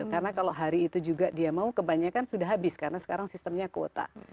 karena kalau hari itu juga dia mau kebanyakan sudah habis karena sekarang sistemnya kuota